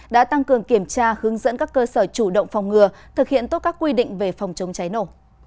đã tăng cường kiểm tra hướng dẫn các cơ sở chủ động phòng ngừa thực hiện tốt các quy định về phòng chống cháy nổ